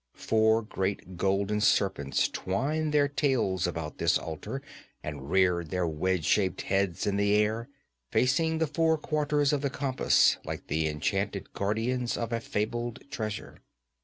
Four great golden serpents twined their tails about this altar and reared their wedge shaped heads in the air, facing the four quarters of the compass like the enchanted guardians of a fabled treasure.